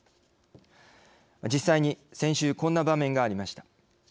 実際に先週こんな場面がありました。